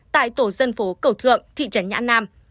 tại tổ dân phố cầu thượng thị trấn nhã nam